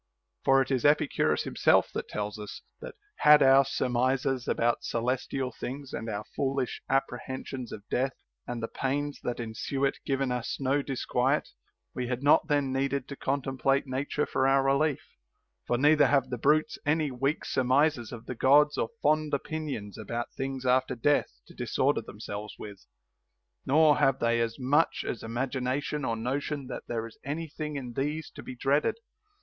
For it is Epicurus himself that tells us that, had our surmises about celestial things and our foolish appre hensions of death and the pains that ensue it given us no disquiet, we had not then needed to contemplate nature for our relief. For neither have the brutes any weak surmises of the Gods or fond opinions about things after death to dis 170 PLEASURE NOT ATTAINABLE order themselves with ; nor have they as much as imagi nation or notion that there is any thing in these to be dreaded.